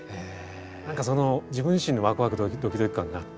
何かその自分自身もワクワクドキドキ感があって。